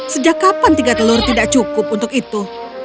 sejak kapan tiga telur tidak cukup untuk itu